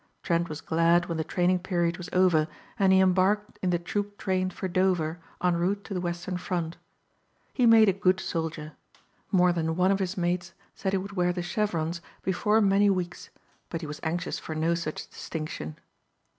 Trent was glad when the training period was over and he embarked in the troop train for Dover en route to the Western front. He made a good soldier. More than one of his mates said he would wear the chevrons before many weeks but he was anxious for no such distinction.